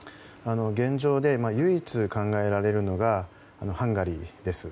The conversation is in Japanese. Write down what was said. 現状で唯一、考えられるのがハンガリーです。